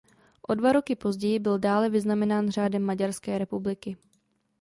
O dva roky později byl dále vyznamenán řádem Maďarské republiky.